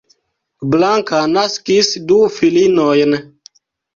Blanka naskis du filinojn.